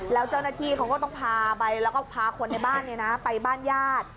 แล้วเจ้าหน้าที่เขาก็ต้องพาไปแล้วก็พาคนในบ้านไปบ้านญาติ